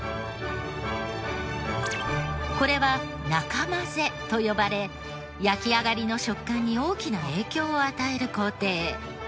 これは中混ぜと呼ばれ焼き上がりの食感に大きな影響を与える工程。